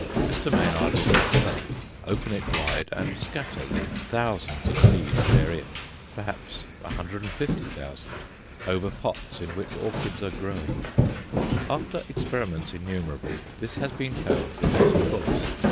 Mr. Maynard will cut it off, open it wide, and scatter the thousands of seeds therein, perhaps 150,000, over pots in which orchids are growing. After experiments innumerable, this has been found the best course.